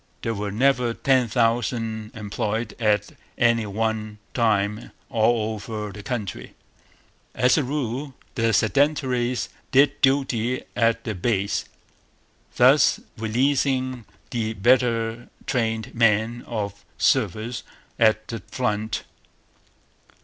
There were never ten thousand employed at any one time all over the country. As a rule, the 'Sedentaries' did duty at the base, thus releasing the better trained men for service at the front.